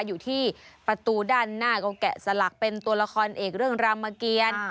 อยู่ที่ประตูด้านหน้าก็แกะสลักเป็นตัวละครเอกเรื่องรามเกียร